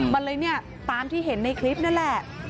มันเลยเนี่ยตามที่เห็นในคลิปนั่นแหละ